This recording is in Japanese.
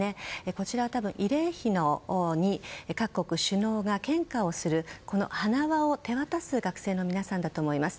こちらは慰霊碑に各国首脳が献花をする、その花輪を手渡す学生の皆さんだと思います。